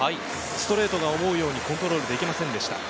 ストレートが思うようにコントロールできませんでした。